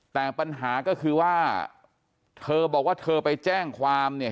แต่ปัญหาก็คือว่าเธอบอกว่าเธอไปแจ้งความเนี่ย